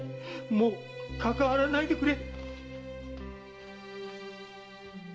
もうかかわらないでくれ！